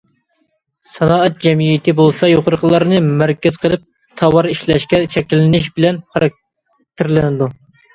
سانائەت جەمئىيىتى بولسا يۇقىرىقىلارنى مەركەز قىلىپ تاۋار ئىشلەشكە تەشكىللىنىش بىلەن خاراكتېرلىنىدۇ.